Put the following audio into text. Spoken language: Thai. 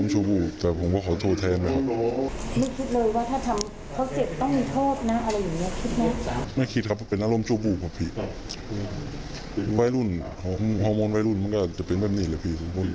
ฮอร์โมนวัยรุ่นมันก็จะเป็นแบบนี้